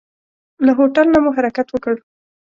له هوټل نه مو حرکت وکړ.